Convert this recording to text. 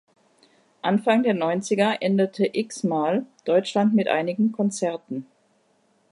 Anfang der Neunziger endete Xmal Deutschland mit einigen Konzerten.